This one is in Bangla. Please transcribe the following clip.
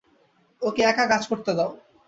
ওকে একা কাজ করতে দাও।